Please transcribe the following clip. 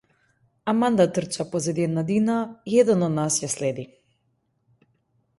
Аманда трча позади една дина и еден од нас ја следи.